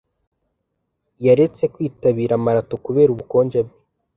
Yaretse kwitabira marato kubera ubukonje bwe.